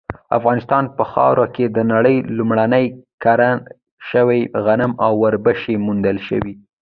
افغانستان په خاوره کې د نړۍ لومړني کره شوي غنم او وربشې موندل شوي